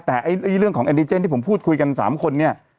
แต่เรื่องของแอนดิเจนที่ผมพูดคุยกัน๓คนเนี่ย